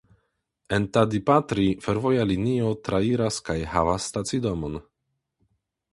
En Tadipatri fervoja linio trairas kaj havas stacidomon.